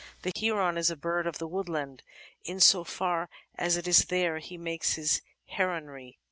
The Heron is a bird of the woodland, in so far as it is there he makes his heronry.